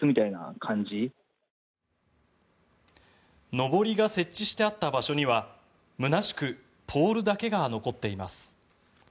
のぼりが設置してあった場所には空しくポールだけが残っています。